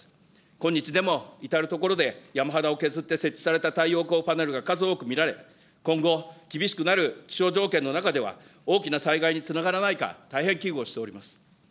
今日でも至る所で山肌を削って設置された太陽光パネルが数多く見られ、今後、厳しくなる気象条件の中では大きな災害につながらないか、大変危惧をしております。